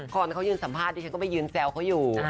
ก่อนเขายืนสัมภาษณ์ดิฉันก็ไปยืนแซวเขาอยู่